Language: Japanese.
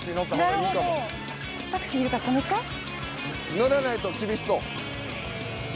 乗らないと厳しそう。